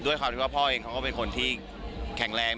ด้วยความที่ว่าพ่อเองเขาก็เป็นคนที่แข็งแรง